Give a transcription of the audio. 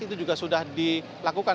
itu juga sudah dilakukan